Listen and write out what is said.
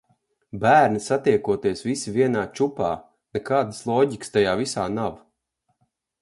Bērni satiekoties visi vienā čupā, nekādas loģikas tajā visā nav.